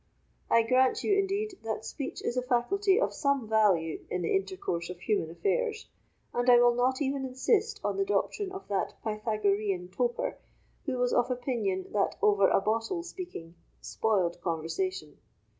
I grant you, indeed, that speech is a faculty of some value in the intercourse of human affairs, and I will not even insist on the doctrine of that Pythagorean toper, who was of opinion that over a bottle speaking spoiled conversation.